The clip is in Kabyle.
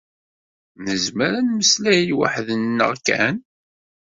Nezmer ad nmeslay weḥd-neɣ kan?